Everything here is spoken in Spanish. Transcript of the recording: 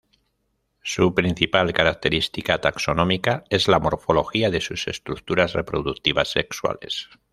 Su principal característica taxonómica es la morfología de sus estructuras reproductivas sexuales.